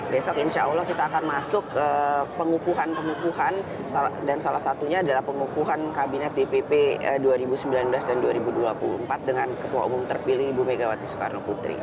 besok insya allah kita akan masuk pengukuhan pengukuhan dan salah satunya adalah pengukuhan kabinet dpp dua ribu sembilan belas dan dua ribu dua puluh empat dengan ketua umum terpilih ibu megawati soekarno putri